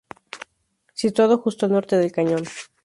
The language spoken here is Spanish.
Situado justo al norte del cañón.